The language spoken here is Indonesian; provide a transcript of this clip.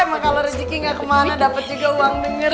emang kalau rezeki enggak kemana dapat juga uang denger